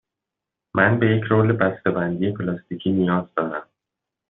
من به یک رول بسته بندی پلاستیکی نیاز دارم.